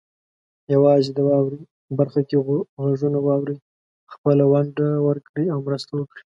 یوازې د "واورئ" برخه کې غږونه واورئ، خپله ونډه ورکړئ او مرسته وکړئ.